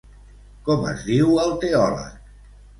Com es diu el teòleg?